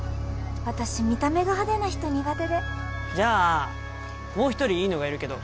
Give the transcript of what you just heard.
私見た目が派手な人苦手でじゃあもう一人いいのがいるけど